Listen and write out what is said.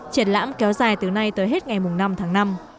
triển lãm kéo dài từ nay tới hết ngày năm tháng năm